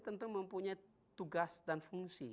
tentu mempunyai tugas dan fungsi